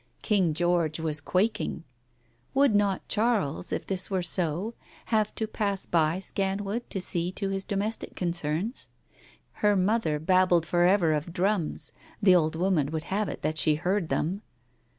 King George was quaking. Would not Charles, if this were so, have to pass by Scanwood to Digitized by Google 166 TALES OF THE UNEASY see to his domestic concerns ? Her mother babbled for ever of drums; the old woman would have it that she heard them.